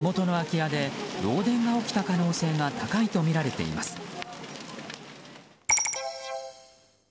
火が出た原因は火元の空き家で漏電が起きた可能性が高いとみられています。